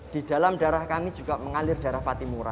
di dalam darah kami juga mengalir darah fatimura